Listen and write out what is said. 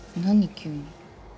急に。